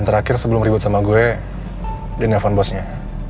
dan terakhir sebelum ribet sama gue dia nelfon bosnya